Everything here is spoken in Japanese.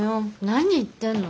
何言ってんの。